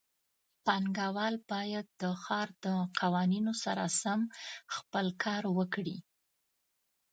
پانګهوال باید د ښار د قوانینو سره سم خپل کار وکړي.